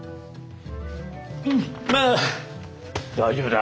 うんまあ大丈夫だ。